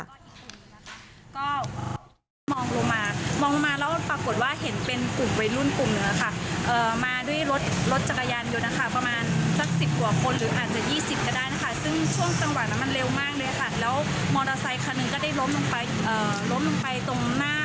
ก็มองลงมามองลงมาแล้วปรากฏว่าเห็นเป็นกลุ่มไว้รุ่นกลุ่มนึงนะคะ